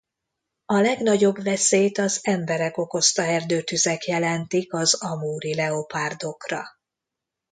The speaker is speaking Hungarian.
A legnagyobb veszélyt az emberek okozta erdőtüzek jelentik az amuri leopárdokra.